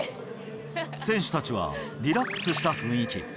選手たちはリラックスした雰囲気。